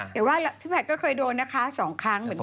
แต่ว่าพี่แพทย์ก็เคยโดนนะคะ๒ครั้งเหมือนกัน